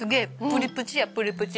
プリプチやプリプチ。